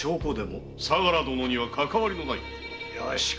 相良殿にはかかわりのないこと！